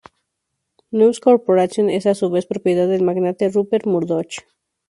News Corporation es a su vez propiedad del magnate Rupert Murdoch.